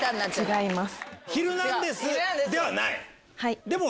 違います。